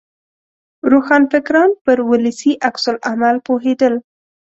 روښانفکران پر ولسي عکس العمل پوهېدل.